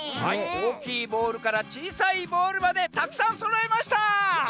おおきいボールからちいさいボールまでたくさんそろえました！